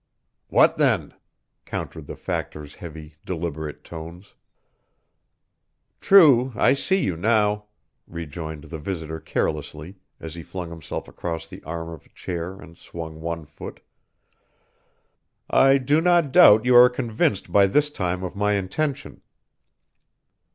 "What then?" countered the Factor's heavy, deliberate tones. "True, I see you now," rejoined the visitor carelessly, as he flung himself across the arm of a chair and swung one foot. "I do not doubt you are convinced by this time of my intention."